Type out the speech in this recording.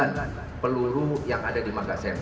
artinya ada tujuh peluru yang ditembakkan